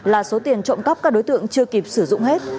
là số tiền trộm cắp các đối tượng chưa kịp sử dụng hết